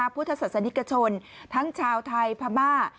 พุทธศาสนิกชนทั้งชาวไทยพม่า